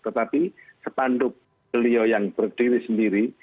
tetapi sepanduk beliau yang berdiri sendiri